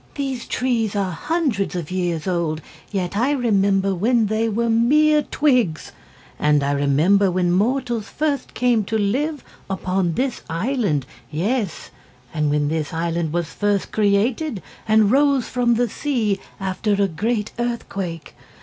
"These trees are hundreds of years old, yet I remember when they were mere twigs. And I remember when mortals first came to live upon this island, yes and when this island was first created and rose from the sea after a great earthquake.